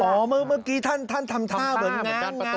เหมือนเมื่อกี้ท่านทำท่าเหมือนงั้น